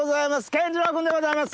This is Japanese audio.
健二郎君でございます！